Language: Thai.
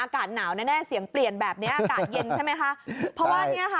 อากาศหนาวแน่เสียงเปลี่ยนแบบนี้อากาศเย็นใช่ไหมคะ